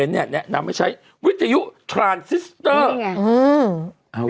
เนี้ยแนะนำให้ใช้วิธีนี่ไงอ้าว